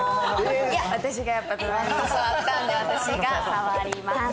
いや私がやっぱ隣に座ったんで私が触ります。